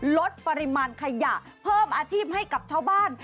ลดปริมาณขยะเพิ่มอาชีพให้กับชาวบ้าน